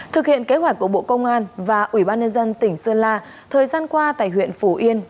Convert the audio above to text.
thực hiện kế hoạch của bộ công an và ủy ban nhân dân tỉnh sơn la thời gian qua tại huyện phủ yên